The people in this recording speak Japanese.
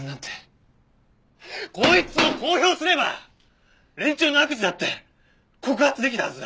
こいつを公表すれば連中の悪事だって告発できたはずだ！